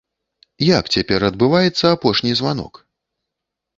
Як цяпер адбываецца апошні званок?